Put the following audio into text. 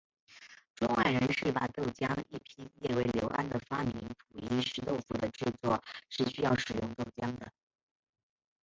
中外人士把豆浆一拼列为刘安的发明主因是豆腐的制作是需要使用豆浆的。